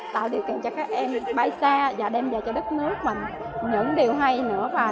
tạo điều kiện cho các em bãi xa và đem về cho đất nước mình những điều hay nữa